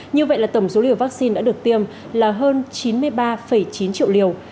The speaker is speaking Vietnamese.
như vậy là tổng số liều vaccine đã được tiêm là hơn chín mươi ba chín triệu liều